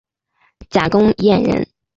贾公彦人。